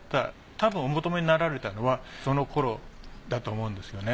たぶんお求めになられたのはその頃だと思うんですよね。